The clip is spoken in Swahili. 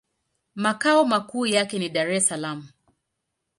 Makao makuu yake ni Dar-es-Salaam.